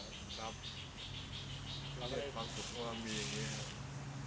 ครับความสุขก็มีอย่างนี้ครับ